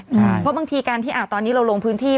เพราะบางทีการที่ตอนนี้เราลงพื้นที่